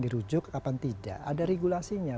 dirujuk kapan tidak ada regulasinya